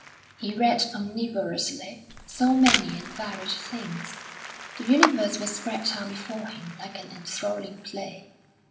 He read omnivorously, saw many and varied things; the universe was spread out before him like an enthralling play.